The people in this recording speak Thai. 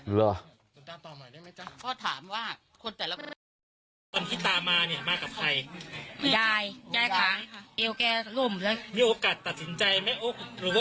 หลวงตานี้ไม่เกี่ยว